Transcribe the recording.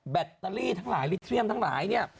แบตเตอรี่ทั้งหลายลิเทียมทั้งหลายเนี่ย